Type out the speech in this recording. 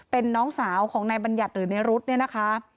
เป็นน้องสาวของนายบัญญัติหรือในรุ๊ดเนี่ยนะคะ